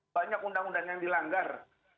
banyak undang undang yang dilanggar